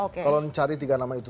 kalau mencari tiga nama itu